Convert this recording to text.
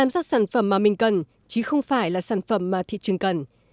các sản phẩm mà mình cần chứ không phải là sản phẩm mà thị trường cần